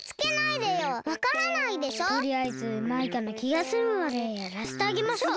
とりあえずマイカのきがすむまでやらせてあげましょう。